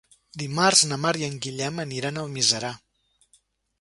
Dimarts na Mar i en Guillem aniran a Almiserà.